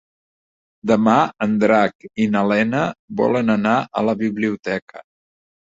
Demà en Drac i na Lena volen anar a la biblioteca.